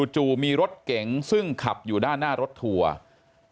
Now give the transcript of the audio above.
จู่มีรถเก๋งซึ่งขับอยู่ด้านหน้ารถทัวร์